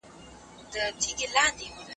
خلګ اوس ښه چلند کوي.